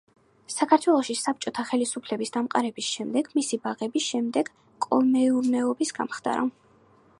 საქართველოში საბჭოთა ხელისუფლების დამყარების შემდეგ, მისი ბაღები შემდეგ კოლმეურნეობის გამხდარა.